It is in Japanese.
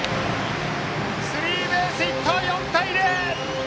スリーベースヒット、４対０！